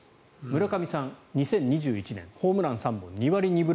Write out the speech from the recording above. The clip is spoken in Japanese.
村上さん、２０２１年ホームラン３本２割２分６厘